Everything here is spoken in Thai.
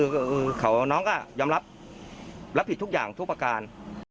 คือน้องก็ยอมรับรับผิดทุกอย่างทุกประการ